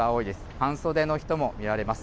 半袖の人も見られます。